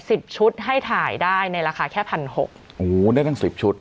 สิบชุดให้ถ่ายได้ในราคาแค่พันหกโอ้โหได้ตั้งสิบชุด